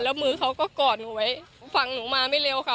แล้วมือเขาก็กอดหนูไว้ฝั่งหนูมาไม่เร็วค่ะ